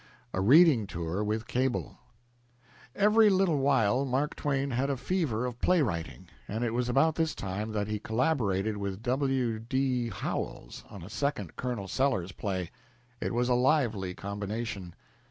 A READING TOUR WITH CABLE Every little while Mark Twain had a fever of play writing, and it was about this time that he collaborated with W. D. Howells on a second Colonel Sellers play. It was a lively combination.